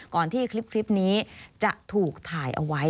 ก่อนที่คลิปนี้จะถูกถ่ายเอาไว้